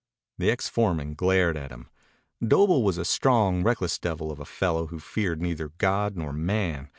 The ex foreman glared at him. Doble was a strong, reckless devil of a fellow who feared neither God nor man.